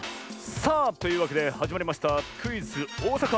さあというわけではじまりましたクイズ「おおさか」。